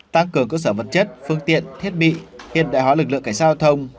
tăng cường cơ sở vật chất phương tiện thiết bị hiện đại hóa lực lượng cảnh sát giao thông